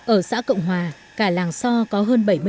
ở xã cộng hòa cả làng so có hơn bảy mươi hộ làm bếp